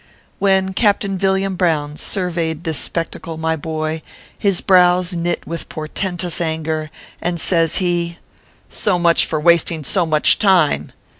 When Captain Villiam Brown, surveyed this spec tacle, my boy, his brows knit with portentous anger, and says he :" So much for wasting so much time.